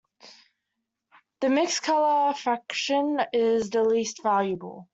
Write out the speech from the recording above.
The mixed color fraction is the least valuable.